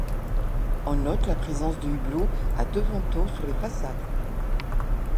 On note la présence de hublots à deux vantaux sur les façades.